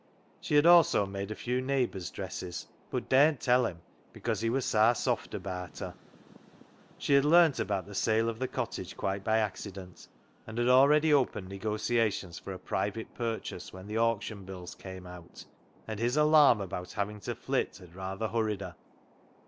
She had also made a few neighbours' dresses, but daren't tell him, because " he wor sa soft abaat " her. She had learnt about the sale of the cottage quite by accident, and had already opened negotiations for a private purchase when the auction bills came out, and his alarm about having to flit had rather hurried her.